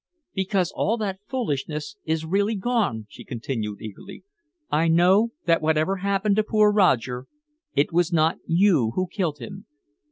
"Because all that foolishness is really gone," she continued eagerly. "I know that whatever happened to poor Roger, it was not you who killed him.